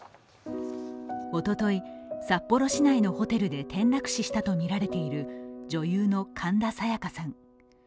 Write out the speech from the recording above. おととい、札幌市内のホテルで転落死したとみられている女優の神田紗也加さん。